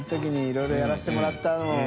いろいろやらせてもらったのを。